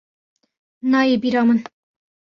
Nayê bîra min!